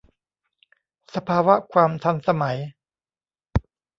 สภาวะความทันสมัย